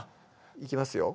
いきますよ